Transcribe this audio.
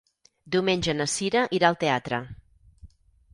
Diumenge na Sira irà al teatre.